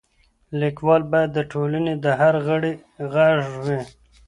ليکوال بايد د ټولني د هر غړي غږ وي.